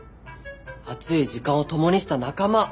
熱い時間を共にした仲間！